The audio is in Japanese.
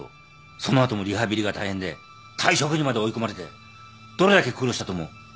その後もリハビリが大変で退職にまで追い込まれてどれだけ苦労したと思う。